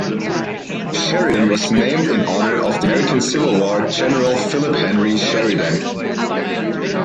Sheridan was named in honor of the American Civil War general Philip Henry Sheridan.